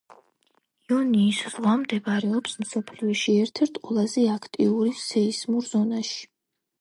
იონიის ზღვა მდებარეობს მსოფლიოში ერთ-ერთ ყველაზე აქტიური სეისმურ ზონაში.